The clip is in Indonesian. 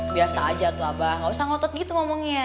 biasa aja tuh abah gak usah ngotot gitu ngomongnya